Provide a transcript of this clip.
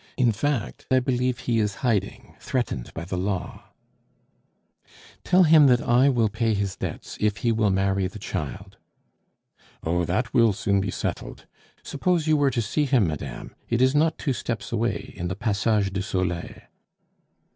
In fact, I believe he is hiding, threatened by the law " "Tell him that I will pay his debts if he will marry the child." "Oh, that will soon be settled. Suppose you were to see him, madame; it is not two steps away, in the Passage du Soleil."